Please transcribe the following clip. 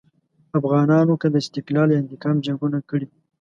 افغانانو که د استقلال یا انتقام جنګونه کړي.